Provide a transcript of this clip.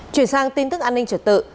chuyển sang tin tức an ninh trở tự